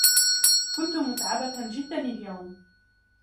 كنت متعبة جدا اليوم.